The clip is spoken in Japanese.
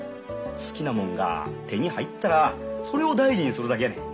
好きなもんが手に入ったらそれを大事にするだけやねん。